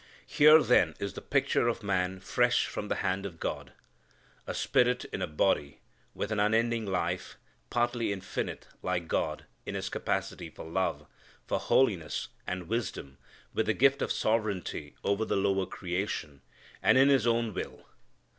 Here then is the picture of man fresh from the hand of God. A spirit, in a body, with an unending life, partly infinite, like God in his capacity for love, for holiness, and wisdom, with the gift of sovereignty over the lower creation, and in his own will.